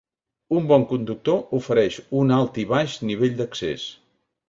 Un bon conductor ofereix un alt i baix nivell d'accés.